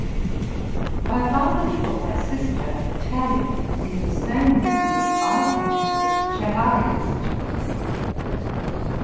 My father taught my sister Italian in the same room in which I had to commit Cellarius to memory.